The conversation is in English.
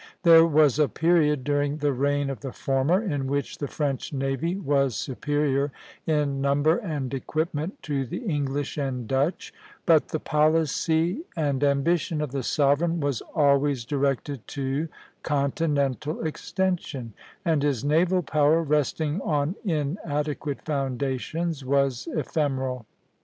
There was a period during the reign of the former in which the French navy was superior in number and equipment to the English and Dutch; but the policy and ambition of the sovereign was always directed to continental extension, and his naval power, resting on inadequate foundations, was ephemeral.